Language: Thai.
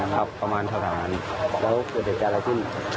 ครับประมาณเท่าทางนั้นแล้วผลิตจากอะไรขึ้น